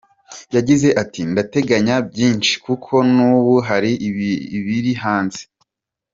Yagize ati: "Ndateganya byinshi kuko n'ubu hari ibiri hanze.